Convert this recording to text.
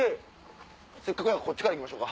せっかくやからこっちから行きましょうか。